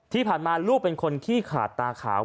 ที่ผ่านมาลูกเป็นคนขี้ขาดตาขาว